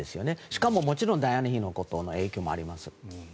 しかも、もちろんダイアナ妃のことの影響もあります。